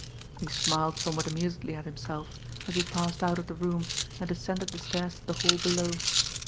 He smiled somewhat amusedly at himself, as he passed out of the room and descended the stairs to the hall below.